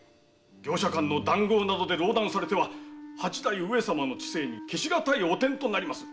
業者間の談合などで壟断されては八代上様の治世に消しがたい汚点となりまする。